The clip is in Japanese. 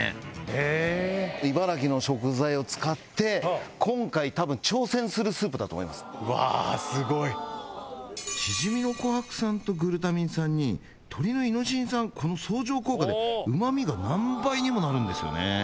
へぇ茨城の食材を使って今回多分うわすごいしじみのコハク酸とグルタミン酸に鶏のイノシン酸この相乗効果でうま味が何倍にもなるんですよね